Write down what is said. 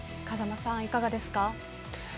風間さん、いかがですか。